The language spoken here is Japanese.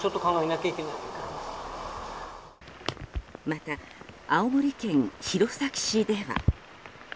また、青森県弘前市では。